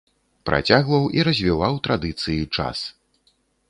Працягваў і развіваў традыцыі час.